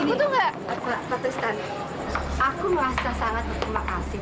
pak tristan aku merasa sangat berterima kasih